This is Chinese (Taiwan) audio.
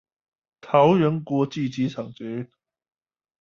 桃園國際機場捷運